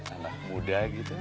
anak muda gitu